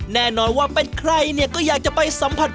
แน่นอนว่าเป็นใครเนี่ยก็อยากจะไปสัมผัส